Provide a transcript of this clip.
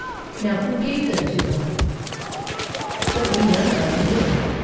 Now who gave them to her?" But we none of us knew.